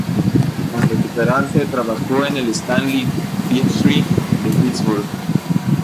Tras recuperarse, trabajó en el "Stanley Theatre" de Pittsburgh.